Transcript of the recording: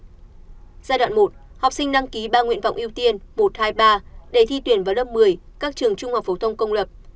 giai đoạn một học sinh đăng ký ba nguyện vọng ưu tiên một trăm hai mươi ba để thi tuyển vào lớp một mươi các trường trung học phổ thông công lập